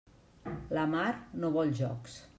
La mar no vol jocs.